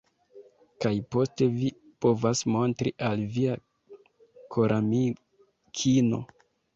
Kaj poste vi povas montri al via koramikino.